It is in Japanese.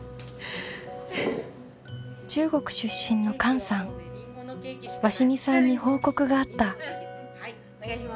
中国出身の韓さん鷲見さんに報告があった。